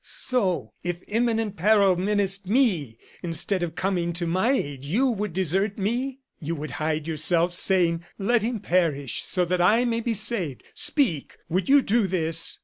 "So if imminent peril menaced me, instead of coming to my aid you would desert me? You would hide yourself, saying, 'Let him perish, so that I be saved!' Speak! Would you do this?"